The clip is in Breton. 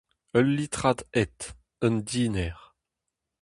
Ul litrad ed, un diner !